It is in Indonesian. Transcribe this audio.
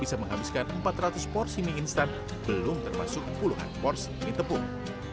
cuma nanti beberapa topping disesuaikan dengan selera masing masing